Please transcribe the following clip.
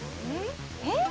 えっ？